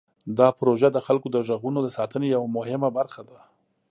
دا پروژه د خلکو د غږونو د ساتنې یوه مهمه برخه ده.